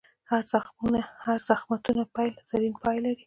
هر د زخمتونو پیل، زرین پای لري.